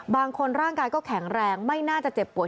บางคนร่างกายก็แข็งแรงไม่น่าจะเจ็บปวด